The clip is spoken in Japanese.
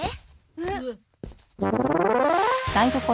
えっ？